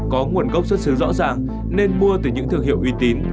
có nguồn gốc xuất xứ rõ ràng nên mua từ những thương hiệu uy tín